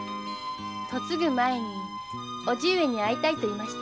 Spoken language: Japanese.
嫁ぐ前に伯父上に会いたいと言いました。